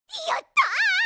やった！